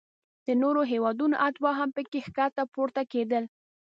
د نورو هیوادونو اتباع هم پکې ښکته پورته کیدل.